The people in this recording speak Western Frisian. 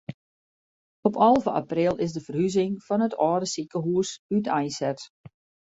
Op alve april is de ferhuzing fan it âlde sikehûs úteinset.